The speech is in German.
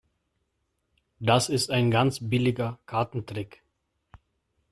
Das ist ein ganz billiger Kartentrick.